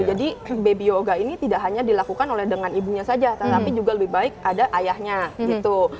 jadi baby yoga ini tidak hanya dilakukan oleh dengan ibunya saja tapi juga lebih baik ada ayahnya gitu